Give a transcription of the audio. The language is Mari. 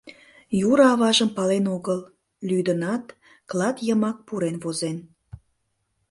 Юра аважым пален огыл, лӱдынат, клат йымак пурен возен.